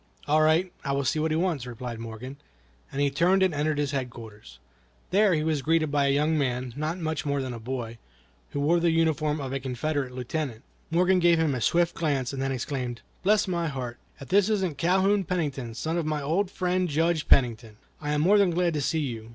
"All right, I will see what he wants," replied Morgan, as he turned and entered his headquarters. There he was greeted by a young man, not much more than a boy, who wore the uniform of a Confederate lieutenant. Morgan gave him a swift glance, and then exclaimed: "Bless my heart! if this isn't Calhoun Pennington, son of my old friend Judge Pennington! I am more than glad to see you.